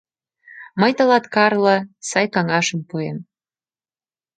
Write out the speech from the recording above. — Мый тылат, Карло, сай каҥашым пуэм...